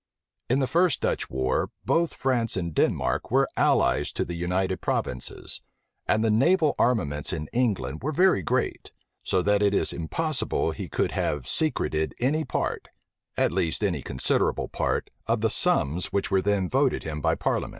In the first Dutch war, both France and Denmark were allies to the United Provinces, and the naval armaments in England were very great; so that it is impossible he could have secreted any part, at least any considerable part, of the sums which were then voted him by parliament.